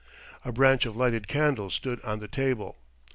A branch of lighted candles stood on the table.